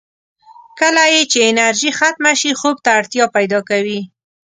کله یې چې انرژي ختمه شي، خوب ته اړتیا پیدا کوي.